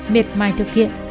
miệt mai thực hiện